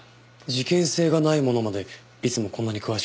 事件性がないものまでいつもこんなに詳しく？